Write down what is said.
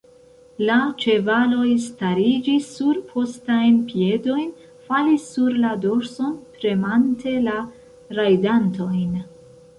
La ĉevaloj stariĝis sur postajn piedojn, falis sur la dorson, premante la rajdantojn.